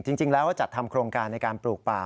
จริงแล้วจัดทำโครงการในการปลูกป่า